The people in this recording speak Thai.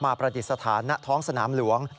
มาประดิษฐานหน้าท้องสนามหลวง